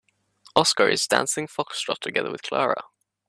Oscar is dancing foxtrot together with Clara.